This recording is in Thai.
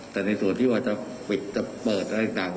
แต่ในส่วนที่ว่าจะปิดจะเปิดอะไรต่าง